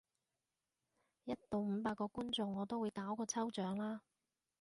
一到五百個觀眾我就會搞個抽獎喇！